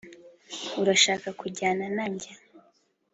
urashaka kujyana nanjye